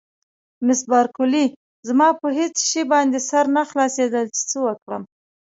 مس بارکلي: زما په هېڅ شي باندې سر نه خلاصېده چې څه وکړم.